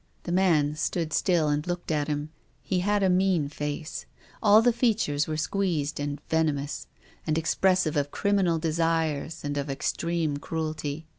The man stood still and looked at him. He had a mean face. All the features were squeezed and venom'^s, and expressive of criminal desires and of extreme cruelty.